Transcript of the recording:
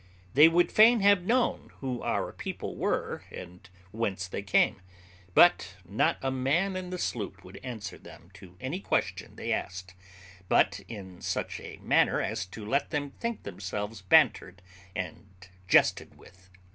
They would fain have known who our people were, and whence they came; but not a man in the sloop would answer them to any question they asked, but in such a manner as let them think themselves bantered and jested with.